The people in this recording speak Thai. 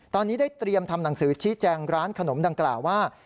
ตอนนี้ได้เตรียมทำหนังสือชี้แจงร้านขนมดังกล่าวว่า